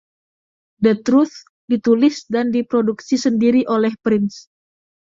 “The Truth” ditulis dan diproduksi sendiri oleh Prince.